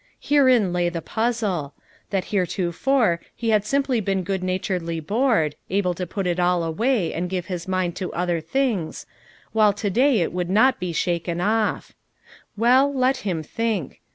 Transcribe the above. Herein lay the puzzle; that hereto fore he had simply been good naturedly bored, able to put it all away and give his mind to other things, while to day it would not be shaken FOUE MOTHEKS AT CHAUTAUQUA 355 off. Well, let him think.